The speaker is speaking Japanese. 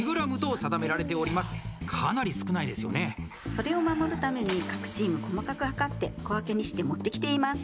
それを守るために各チーム細かく量って小分けにして持ってきています。